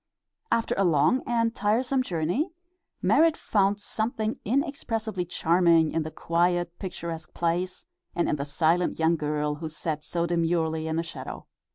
After a long and tiresome journey Merrit found something inexpressibly charming in the quiet, picturesque place, and in the silent young girl who sat so demurely in the shadow.